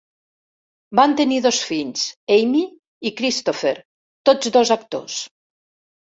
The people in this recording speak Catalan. Van tenir dos fills, Amy i Christopher, tots dos actors.